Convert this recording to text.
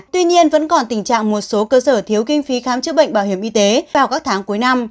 tuy nhiên vẫn còn tình trạng một số cơ sở thiếu kinh phí khám chữa bệnh bảo hiểm y tế vào các tháng cuối năm